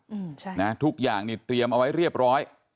อืมใช่นะทุกอย่างนี่เตรียมเอาไว้เรียบร้อย